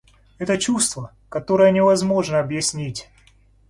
Это чувство, которое невозможно объяснить.